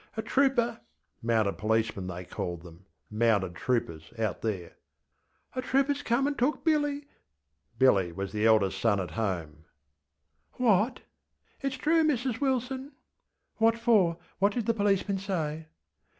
A trooperŌĆÖ (mounted policemanŌĆöthey called them ŌĆśmounted troopersŌĆÖ out there), ŌĆśa trooperŌĆÖs come and took Billy! ŌĆÖ Billy was the eldest son at home. ŌĆśWhat? ŌĆÖ ŌĆśItŌĆÖs true, Mrs Wilson.ŌĆÖ ŌĆśWhat for? What did the policeman say?